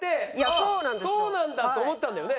そうなんだと思ったんだよね？